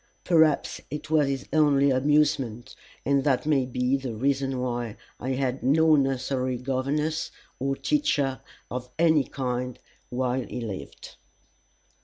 Perhaps it was his only amusement, and that may be the reason why I had no nursery governess or teacher of any kind while he lived.